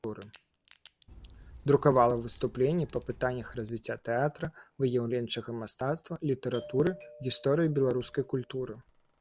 Друкавала выступленні па пытаннях развіцця тэатра, выяўленчага мастацтва, літаратуры, гісторыі беларускай культуры.